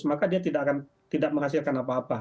maka dia tidak menghasilkan apa apa